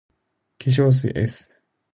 化粧水 ｓ